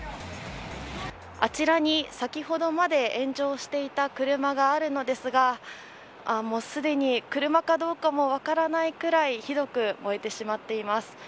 あちらに先ほどまで炎上していた車があるのですがすでに、車かどうかも分からないくらいひどく燃えてしまっています。